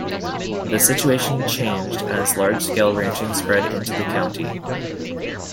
The situation changed as large-scale ranching spread into the county.